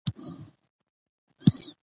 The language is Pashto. رسوب د افغانستان یوه طبیعي ځانګړتیا ده.